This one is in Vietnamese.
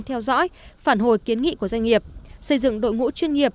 theo dõi phản hồi kiến nghị của doanh nghiệp xây dựng đội ngũ chuyên nghiệp